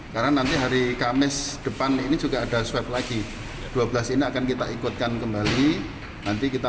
karena nanti hari kamis depan ini juga ada sweep lagi dua belas ini akan kita ikutkan kembali nanti kita